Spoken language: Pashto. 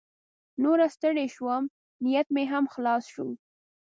نوره ستړې شوم، نیټ مې هم خلاص شو.